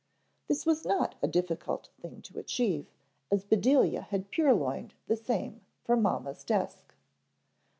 This was not a difficult thing to achieve, as Bedelia had purloined the same from mamma's desk.